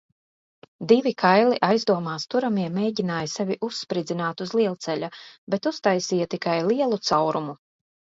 Divi kaili aizdomās turamie mēģināja sevi uzspridzināt uz lielceļa, bet uztaisīja tikai lielu caurumu.